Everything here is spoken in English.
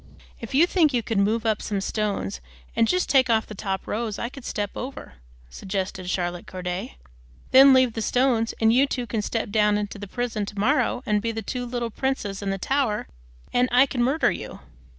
"If you think you could move up some stones and just take off the top rows, I could step out over," suggested Charlotte Corday. "Then leave the stones, and you two can step down into the prison to morrow and be the two little princes in the Tower, and I can murder you."